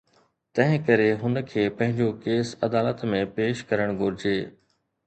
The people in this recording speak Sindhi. تنهن ڪري هن کي پنهنجو ڪيس عدالت ۾ پيش ڪرڻ گهرجي.